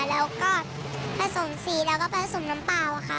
แล้วก็ผสมสีแล้วก็ผสมน้ำเปล่าค่ะ